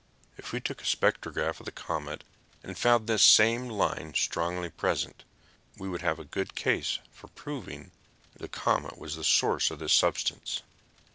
"If we took a spectrograph of the comet and found this same line strongly present, we would have a good case for proving the comet was the source of this substance."